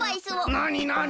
なになに？